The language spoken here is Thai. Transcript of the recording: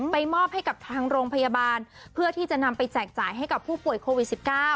มอบให้กับทางโรงพยาบาลเพื่อที่จะนำไปแจกจ่ายให้กับผู้ป่วยโควิด๑๙